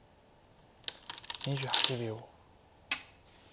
２８秒。